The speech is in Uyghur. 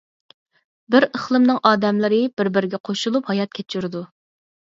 بىر ئىقلىمنىڭ ئادەملىرى بىر - بىرىگە قوشۇلۇپ ھايات كەچۈرىدۇ.